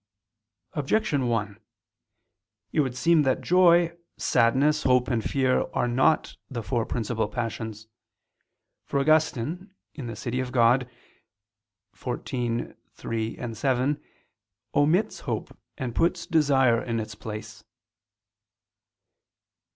Objection 1: It would seem that joy, sadness, hope and fear are not the four principal passions. For Augustine (De Civ. Dei xiv, 3, 7 sqq.) omits hope and puts desire in its place.